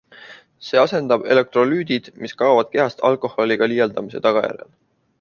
See asendab elektrolüüdid, mis kaovad kehast alkoholiga liialdamise tagajärjel.